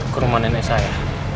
ke rumah nenek saya